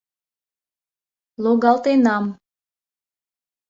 — Логалтенам!